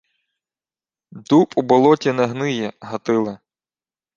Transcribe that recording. — Дуб у болоті не гниє, Гатиле.